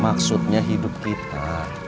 maksudnya hidup kita